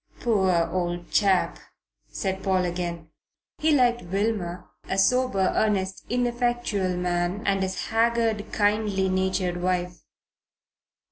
"Poor old chap!" said Paul again. He liked Wilmer, a sober, earnest, ineffectual man, and his haggard, kindly natured wife.